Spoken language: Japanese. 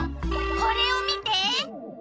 これを見て！